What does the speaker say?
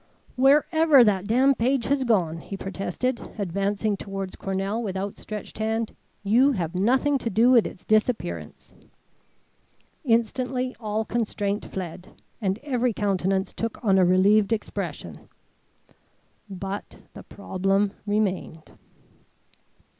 "Wherever that damned page has gone," he protested, advancing towards Cornell with outstretched hand, "you have nothing to do with its disappearance." Instantly all constraint fled, and every countenance took on a relieved expression. _But the problem remained.